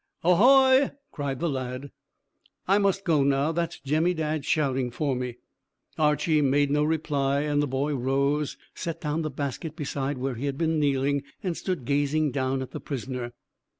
"A hoy!" cried the lad. "I must go now. That's Jemmy Dadd shouting for me." Archy made no reply, and the boy rose, set down the basket beside where he had been kneeling, and stood gazing down at the prisoner.